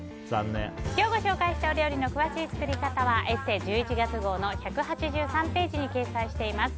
今日ご紹介した料理の詳しい作り方は「ＥＳＳＥ」１１月号の１８３ページに掲載しています。